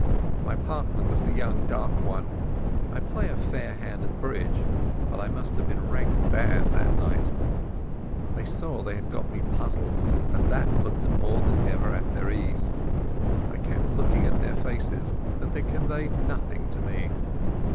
My partner was the young dark one. I play a fair hand at bridge, but I must have been rank bad that night. They saw that they had got me puzzled, and that put them more than ever at their ease. I kept looking at their faces, but they conveyed nothing to me.